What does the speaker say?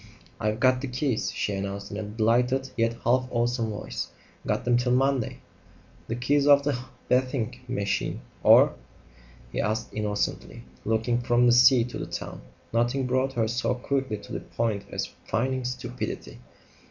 "I've got the keys," she announced in a delighted, yet half awesome voice. "Got them till Monday!" "The keys of the bathing machine, or ?" he asked innocently, looking from the sea to the town. Nothing brought her so quickly to the point as feigning stupidity.